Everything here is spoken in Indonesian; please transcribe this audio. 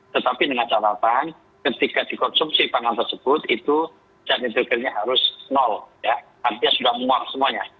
tetapi dengan catatan ketika dikonsumsi pangan tersebut itu zat nitrokelnya harus nol ya artinya sudah menguap semuanya